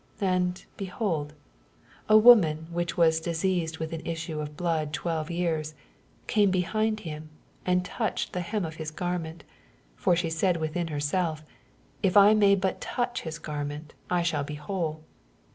20 And, behold, a woman, which was diseased with an issue of blood twelve years, came behind him^ and touched the nem of his garment : 21 For she said within herself If I may but touch his garment, I shall be whole.